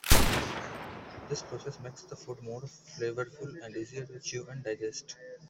This process makes the food more flavorful and easier to chew and digest.